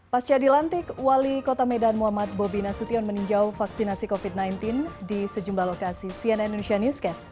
pasca dilantik wali kota medan muhammad bobi nasution meninjau vaksinasi covid sembilan belas di sejumlah lokasi cnn indonesia newscast